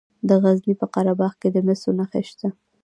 د غزني په قره باغ کې د مسو نښې شته.